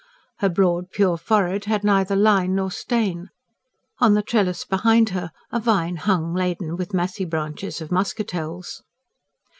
Her broad pure forehead had neither line nor stain. On the trellis behind her a vine hung laden with massy bunches of muscatelles.